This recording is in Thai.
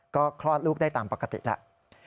ก็คลอดลูกได้ตามปกติแล้ว